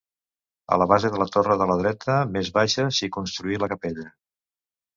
A la base de la torre de la dreta, més baixa, s'hi construí la capella.